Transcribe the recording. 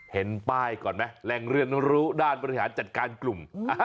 เห็นป้ายก่อนไหมแรงเรียนรู้ด้านบริหารจัดการกลุ่ม